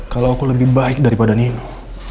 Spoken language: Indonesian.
kalau aku lebih baik dari mereka